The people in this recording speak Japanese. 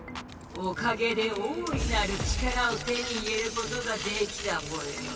おかげで大いなる力を手に入れることができたぽよ。